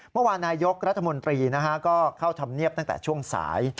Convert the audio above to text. เมื่อวานนี้นายกรัฐมนตรีก็เข้าธรรมเนียบตั้งแต่ช่วงสาย